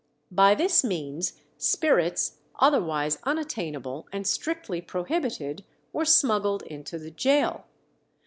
By this means spirits, otherwise unattainable and strictly prohibited, were smuggled into the gaol.